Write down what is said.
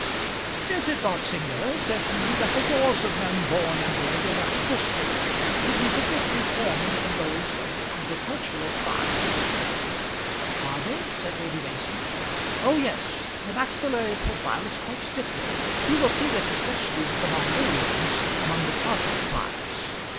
"Is it not singular," said be, "that the jaws of men born and bred in a hunter state should be differently formed from those of the agricultural tribes?" "Are they?" said Lady Mason. "Oh yes; the maxillary profile is quite different. You will see this especially with the Mongolians, among the Tartar tribes.